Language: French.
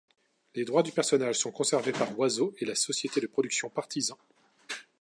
Les droits du personnage sont conservés par Oizo et la société de production Partizan.